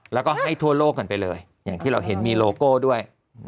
แล้วก็ให้ทั่วโลกกันไปเลยอย่างที่เราเห็นมีโลโก้ด้วย